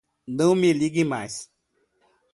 Não me ligue mais!